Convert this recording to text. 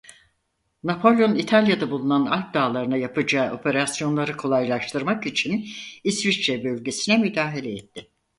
Napolyon İtalya'da bulunan Alp dağları'na yapacağı operasyonları kolaylaştırmak için İsviçre bölgesine müdahale etti.